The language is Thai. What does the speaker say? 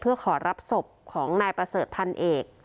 เพื่อขอรับศพของนายประเสริฐพันเอก